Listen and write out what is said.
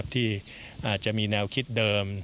ที่อาจจะมีแนวคิดเดิม